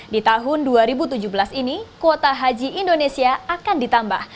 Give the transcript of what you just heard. di tahun dua ribu tujuh belas ini kuota haji indonesia akan ditambah